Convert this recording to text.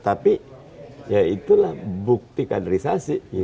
tapi ya itulah bukti kaderisasi